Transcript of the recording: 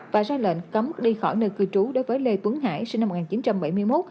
và ra lệnh cấm đi khỏi nơi cư trú đối với lê tuấn hải sinh năm một nghìn chín trăm bảy mươi một